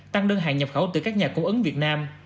tăng đơn hàng nhập khẩu từ các nhà cung ứng việt nam